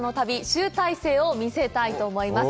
集大成を見せたいと思います。